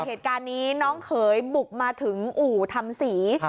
เหตุการณ์นี้น้องเขยบุกมาถึงอู่ทำศรี